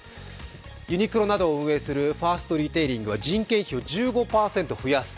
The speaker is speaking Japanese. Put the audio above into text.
ユニクロなどを運営するファーストリテイリングは人件費を１５％増やす。